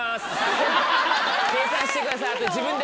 計算してください自分で。